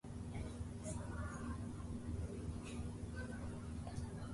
The following online museums were pioneers.